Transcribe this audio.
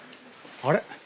あれ？